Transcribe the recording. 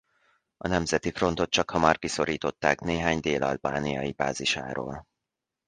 A Nemzeti Frontot csakhamar kiszorították néhány dél-albániai bázisáról.